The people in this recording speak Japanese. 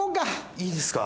いいですか？